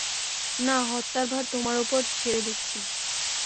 না, হত্যার ভার তোমার উপর ছেড়ে দিচ্ছি।